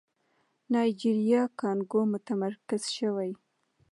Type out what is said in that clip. نایجيريا کانګو متمرکز شوی.